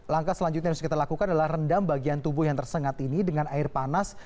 langkah selanjutnya yang harus kita lakukan adalah rendam bagian tubuh yang tersengat ini dengan air panas